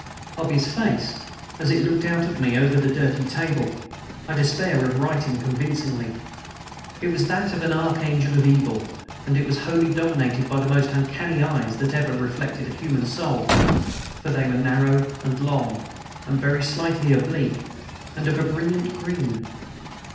Of his face, as it looked out at me over the dirty table, I despair of writing convincingly. It was that of an archangel of evil, and it was wholly dominated by the most uncanny eyes that ever reflected a human soul, for they were narrow and long, very slightly oblique, and of a brilliant green.